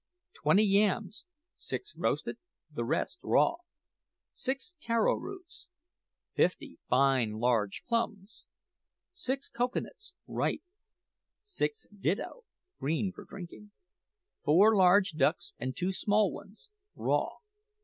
20 Yams (six roasted, the rest raw). 6 Taro roots. 50 Fine large plums. 6 Cocoa nuts, ripe. 6 Ditto, green (for drinking). 4 Large ducks and two small ones, raw.